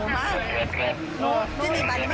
สวัสดีครับ